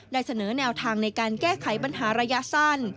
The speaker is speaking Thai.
เสนอแนวทางในการแก้ไขปัญหาระยะสั้น